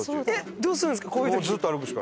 どうするんですか？